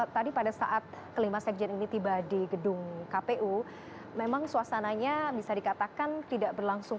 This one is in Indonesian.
tadi pada saat kelima sekjen ini tiba di gedung kpu memang suasananya bisa dikatakan tidak berlangsung